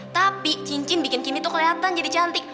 tapi cincin bikin kini tuh kelihatan jadi cantik